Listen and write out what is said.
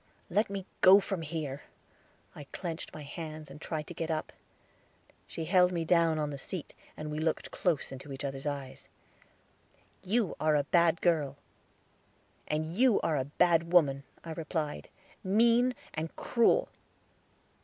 "Let me go from here." I clenched my hands, and tried to get up. She held me down on the seat, and we looked close in each other's eyes. "You are a bad girl." "And you are a bad woman," I replied; "mean and cruel."